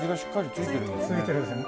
ついてるんですよね。